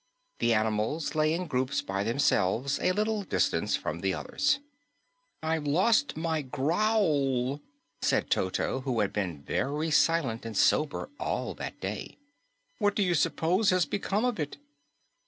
The animals lay in a group by themselves, a little distance from the others. "I've lost my growl!" said Toto, who had been very silent and sober all that day. "What do you suppose has become of it?"